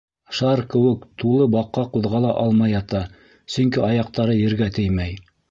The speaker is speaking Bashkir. Шар кеүек тулы баҡа ҡуҙғала алмай ята, сөнки аяҡтары ергә теймәй.